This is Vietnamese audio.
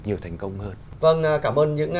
nhiều thành công hơn vâng cảm ơn những